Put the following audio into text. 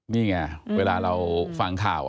นี่ไงเวลาเราฟังข่าว